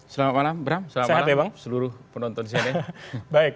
selamat malam selamat malam seluruh penonton di sini